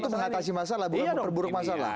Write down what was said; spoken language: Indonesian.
mengatasi masalah bukan memburuk masalah